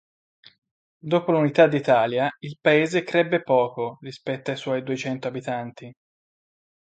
Dopo l'unità d'Italia il paese crebbe poco rispetto ai suoi duecento abitanti.